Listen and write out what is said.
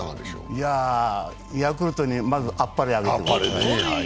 ヤクルトにまずあっぱれあげてください。